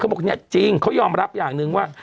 เขาบอกจริงนี่ยอมรับอย่างนึงว่า